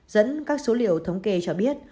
dẫn các số liệu thống kê cho biết